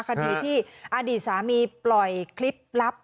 คดีที่อดีตสามีปล่อยคลิปลับ